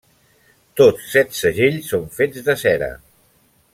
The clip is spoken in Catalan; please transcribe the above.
Tots set segells són fets de cera.